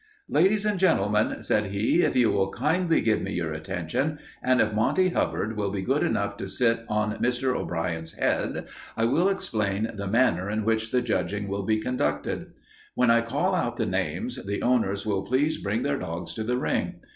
"Ladies and gentlemen," said he. "If you will kindly give me your attention, and if Monty Hubbard will be good enough to sit on Mr. O'Brien's head, I will explain the manner in which the judging will be conducted. When I call out the names, the owners will please bring their dogs to the ring.